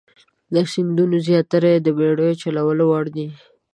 د سیندونو زیاتره یې د بیړیو چلولو وړ دي.